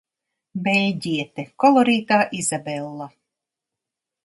Beļģiete, kolorītā Izabella.